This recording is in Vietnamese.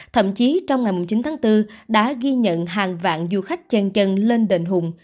thậm chí trong ngày chín tháng bốn đã ghi nhận hàng vạn du khách chân lên đền hùng